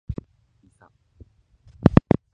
いさ